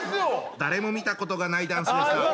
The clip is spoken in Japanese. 誰も見たことがないダンスでした。